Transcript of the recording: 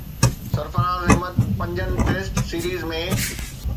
سرفراز احمد پنجن test series ۾